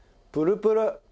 プルプル！